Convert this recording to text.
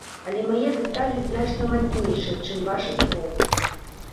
Але мае дэталі значна мацнейшыя, чым вашы словы.